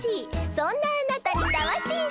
そんなあなたにたわしイス。